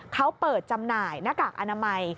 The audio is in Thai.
เขาเปิดจำหน่ายหน้ากากอนามัย